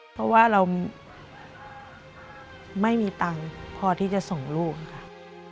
เพราะว่าเราไม่มีตังค์พอที่จะส่งลูกค่ะ